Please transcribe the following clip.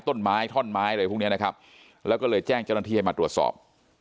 ต้นไม้ท่อนไม้อะไรพวกนี้นะครับแล้วก็เลยแจ้งเจ้าหน้าที่ให้มาตรวจสอบ